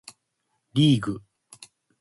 リーグ